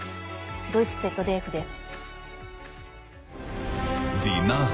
ドイツＺＤＦです。